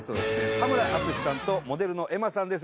田村淳さんとモデルのｅｍｍａさんです。